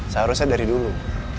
seharusnya dari dulu